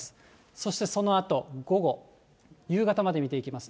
そしてそのあと午後、夕方まで見ていきます。